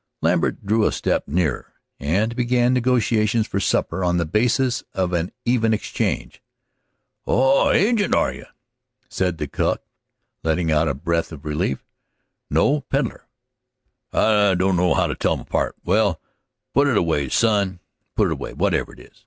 Lambert drew a step nearer, and began negotiations for supper on the basis of an even exchange. "Oh, agent, are you?" said the cook, letting out a breath of relief. "No; peddler." "I don't know how to tell 'em apart. Well, put it away, son, put it away, whatever it is.